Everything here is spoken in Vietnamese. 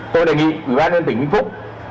tôi đề nghị ubnd tỉnh vĩnh phúc